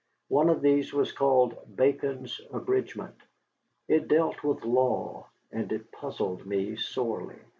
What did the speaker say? One of these was called "Bacon's Abridgment"; it dealt with law and it puzzled me sorely.